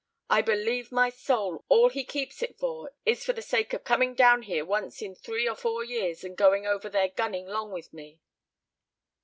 I believe my soul all he keeps it for is for the sake of coming down here once in three or four years, and going over there gunning 'long with me."